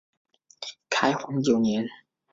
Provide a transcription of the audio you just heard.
开皇九年。